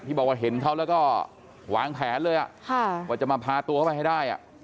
บอกว่าเห็นเขาแล้วก็วางแผนเลยว่าจะมาพาตัวเข้าไปให้ได้